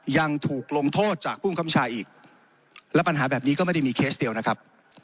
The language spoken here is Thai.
ยังถูกลงโทษจากผู้บังคับชาอีกและปัญหาแบบนี้ก็ไม่ได้มีเคสเดียวนะครับ